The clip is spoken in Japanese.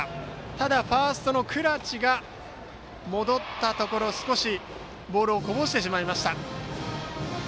ただ、ファーストの倉知が戻ったところ、少しボールをこぼしてしまいました。